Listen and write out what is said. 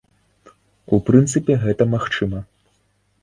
У прынцыпе гэта магчыма.